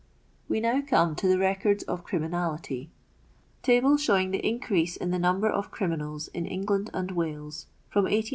\Vc now come to the rccordi of criminalitv :— TABLE SHOWING THE INC^REASE IN THE NUMBER OF CRIMINALS ENGLAND AND WALKS FROM 1805 1850.